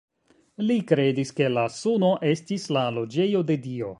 Li kredis ke la suno estis la loĝejo de Dio.